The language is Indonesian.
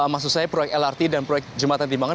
maksud saya proyek lrt dan proyek jembatan timbangan